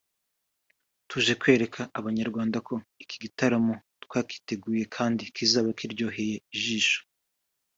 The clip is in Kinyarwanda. tuje kwereka Abanyarwanda ko iki gitaramo twakiteguye kandi kizaba kiryoheye ijisho